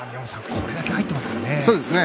これだけ入ってますからね。